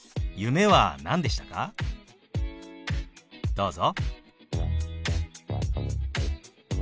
どうぞ。